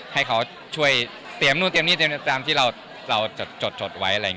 ให้เขาช่วยเตรียมนู่นเตรียมนี่เตรียมนี่ตามที่เราจดไว้